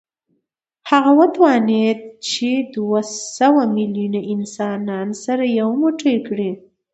هغه وتوانېد چې دوه سوه میلیونه انسانان سره یو موټی کړي